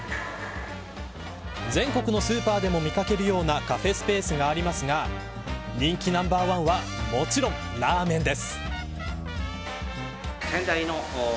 全国のスーパーでも見かけるようなカフェスペースがありますが人気ナンバーワンはもちろんラーメンです。